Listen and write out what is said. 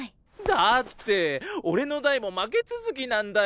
だって俺の代も負け続きなんだよ。